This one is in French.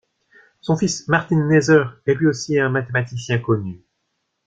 Son fils Martin Kneser est lui aussi un mathématicien connu.